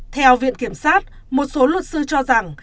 theo viện kiểm sát một số luật sư cho rằng